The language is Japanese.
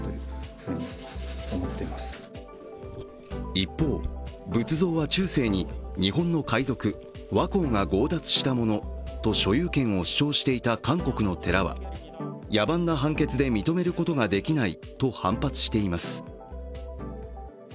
一方、仏像は中世に日本の海賊＝倭寇が強奪したものと所有権を主張していた韓国の寺は野蛮な判決で認めることができないと反発しています。